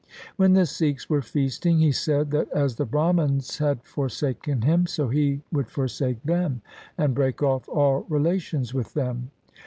When the Sikhs were feasting he said that as the Brahmans had forsaken him, so he would forsake them, and break off all relations with them.